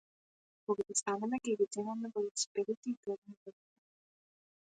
Кога ќе станеме ќе ги земеме велосипедите и ќе одиме на излет.